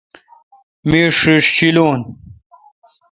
می ݭݭ شیلون